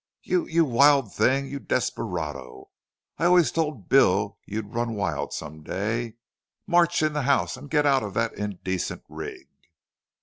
"You you wild thing! You desperado! I always told Bill you'd run wild some day!... March in the house and get out of that indecent rig!"